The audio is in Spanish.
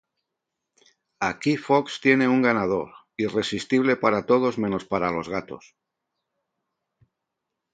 Aquí Fox tiene un ganador, irresistible para todos menos para los gatos...